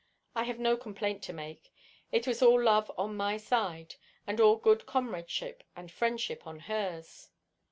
I have no complaint to make. It was all love on my side, and all good comradeship and friendship on hers.